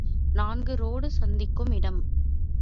நான்கு ரோடு சந்திக்கும் இடம்.